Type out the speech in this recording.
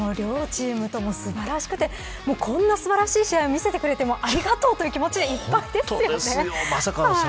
両チームとも素晴らしくてこんな素晴らしい試合を見せてくれてありがとうという気持ちでいっぱいですね。